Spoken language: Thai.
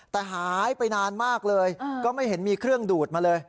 แต่หายไปนานมากเลยก็ไม่เห็นมีเครื่องดูดมาเลย